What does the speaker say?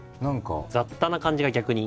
雑多な感じが逆に。